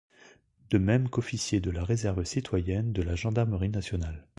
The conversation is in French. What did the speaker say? De même qu'officier de la réserve citoyenne de la gendarmerie nationale.